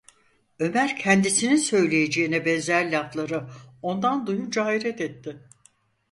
Ömer kendisinin söyleyeceğine benzer lafları ondan duyunca hayret etti.